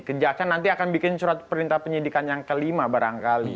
kejaksaan nanti akan bikin surat perintah penyidikan yang kelima barangkali